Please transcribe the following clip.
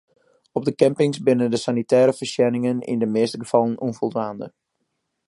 Op de campings binne de sanitêre foarsjenningen yn de measte gefallen ûnfoldwaande.